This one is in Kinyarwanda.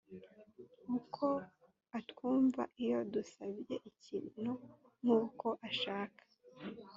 uko atwumva iyo dusabye ikintu nk uko ashaka